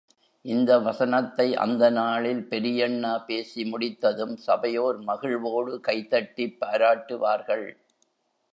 இந்த வசனத்தை அந்த நாளில் பெரியண்ணா பேசி முடித்ததும் சபையோர் மகிழ்வோடு கைதட்டிப் பாராட்டு வார்கள்.